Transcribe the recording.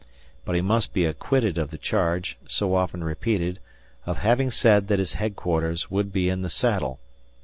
But he must be acquitted of the charge, so often repeated, of having said that his headquarters would be in the saddle.